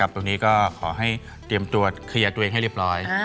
ตรงนี้ก็ขอให้เตรียมตัวเคลียร์ตัวเองให้เรียบร้อย